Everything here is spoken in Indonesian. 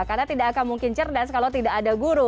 karena tidak akan mungkin cerdas kalau tidak ada guru